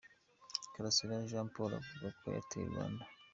Karasira Jean Paul avuga ko Airtel Rwanda.